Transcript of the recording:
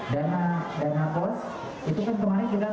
dana pos itu kemarin kita transfer langsung ke daerah